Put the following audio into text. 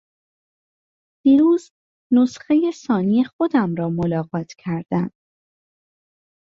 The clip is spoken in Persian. دیروز نسخهی ثانی خودم را ملاقات کردم.